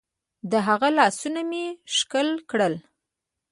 د هغه لاسونه مې ښکل کړل.